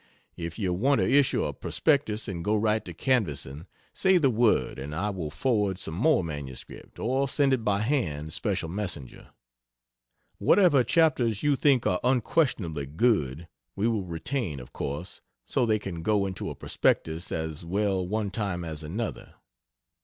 If you want to issue a prospectus and go right to canvassing, say the word and I will forward some more MS or send it by hand special messenger. Whatever chapters you think are unquestionably good, we will retain of course, so they can go into a prospectus as well one time as another.